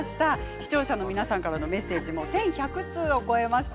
視聴者の皆さんからのメッセージも１１００通を超えました。